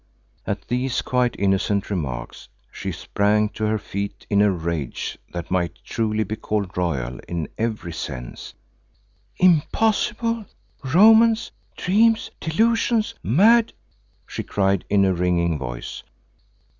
At these quite innocent remarks she sprang to her feet in a rage that might truly be called royal in every sense. "Impossible! Romance! Dreams! Delusions! Mad!" she cried in a ringing voice.